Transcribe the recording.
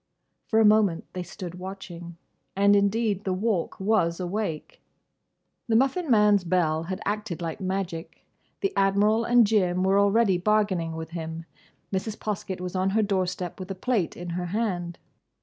For a moment they stood watching. And indeed the Walk was awake. The Muffin man's bell had acted like magic. The Admiral and Jim were already bargaining with him. Mrs. Poskett was on her doorstep with a plate in her hand.